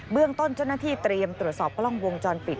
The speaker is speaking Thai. เรื่องต้นเจ้าหน้าที่เตรียมตรวจสอบกล้องวงจรปิด